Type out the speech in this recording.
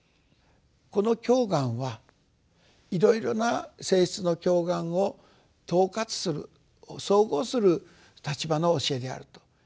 この経巻はいろいろな性質の経巻を統括する総合する立場の教えであると。